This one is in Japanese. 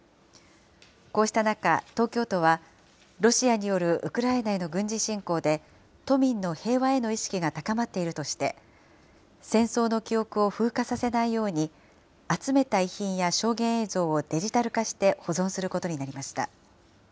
こうした中、東京都は、ロシアによるウクライナへの軍事侵攻で、都民の平和への意識が高まっているとして、戦争の記憶を風化させないように、集めた遺品や証言映像をデジタル化して保存することになりました。